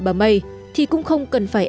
bà may thì cũng không cần phải